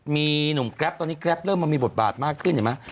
มีหนุ่มแกรปตอนนี้แกรปเริ่มมามีบทบาทมากขึ้นเห็นไหม